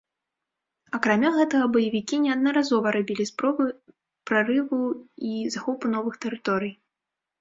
Акрамя гэтага, баевікі неаднаразова рабілі спробы прарыву і захопу новых тэрыторый.